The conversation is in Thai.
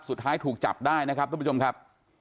สุดท้ายถูกจับได้นะครับทุกผู้ชมครับ